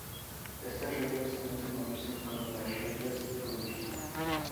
Estas reglas aún se conocen como las "Reglas Brush".